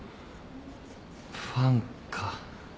ファンか。